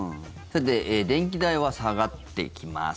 電気代は下がっていきます